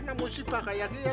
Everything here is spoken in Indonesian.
saya harus bantu pak haji